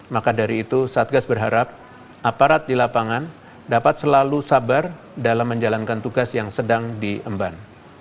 maka dari itu satgas berharap aparat di lapangan dapat selalu sabar dalam menjalankan tugas yang sedang diemban